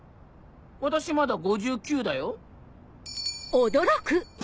私まだ５９だよ。